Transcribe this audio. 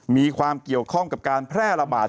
มีความเกี่ยวข้องกับการแพร่ระบาด